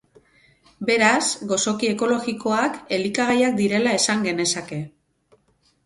Beraz, gozoki ekologikoak, elikagaiak direla esan genezake.